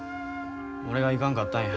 俺がいかんかったんや。